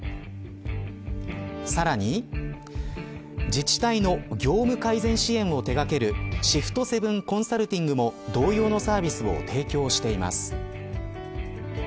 さらに自治体の業務改善支援を手掛けるシフトセブンコンサルティングも同様のサービスを提供しています。